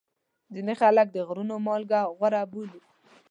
ځینې خلک د غرونو مالګه غوره بولي.